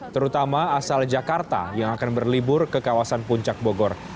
terutama asal jakarta yang akan berlibur ke kawasan puncak bogor